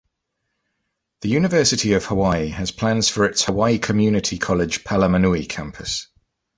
The University of Hawaii has plans for its Hawaii Community College Palamanui Campus.